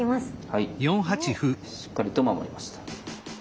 はいしっかりと守りました。